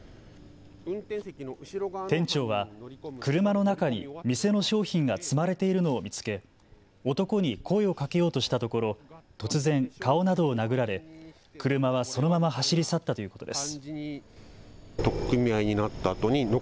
店長は車の中にお店の商品が積まれているのを見つけ男に声をかけようとしたところ、突然、顔などを殴られ車はそのまま走り去ったということです。